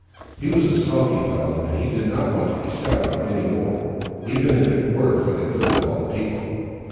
He was a sulky fellow, and he did not want to be sat on any more, even if it were for the good of all the people.